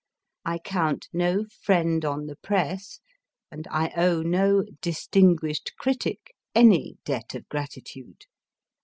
I count no friend on the Press, and I owe no distinguished critic any debt of grati tude.